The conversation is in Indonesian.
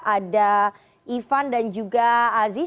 ada ifan dan juga azis